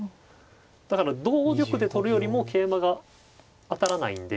だから同玉で取るよりも桂馬が当たらないんで。